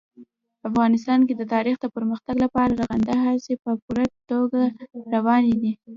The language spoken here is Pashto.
افغانستان کې د تاریخ د پرمختګ لپاره رغنده هڅې په پوره توګه روانې دي.